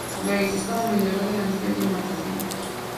Va exista o ameliorare la nivel de marketing.